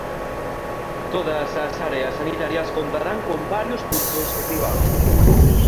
Todas as áreas sanitarias contarán con varios puntos de cribado.